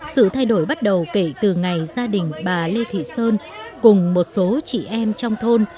sự thay đổi bắt đầu kể từ ngày gia đình bà lê thị sơn cùng một số chị em trong thôn